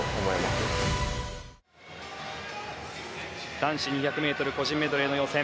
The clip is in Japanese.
男子２００ｍ個人メドレーの予選。